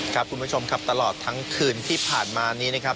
คุณผู้ชมครับตลอดทั้งคืนที่ผ่านมานี้นะครับ